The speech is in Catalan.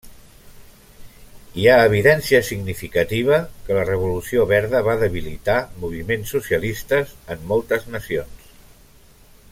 Hi ha evidència significativa que la Revolució Verda va debilitar moviments socialistes en moltes nacions.